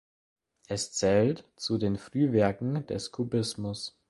Es zählt zu den Frühwerken des Kubismus.